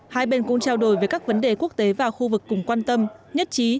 hai bên cũng trao đổi về các vấn đề quốc tế và khu vực cùng quan tâm nhất trí